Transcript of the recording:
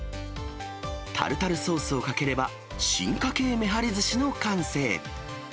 タルタルソースをかければ、進化系めはりずしの完成。